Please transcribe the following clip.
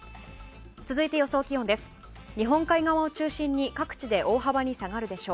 続いて予想気温です。